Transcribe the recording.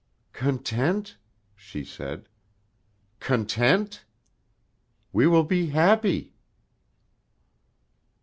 "Content?" she said, "content? We will be happy."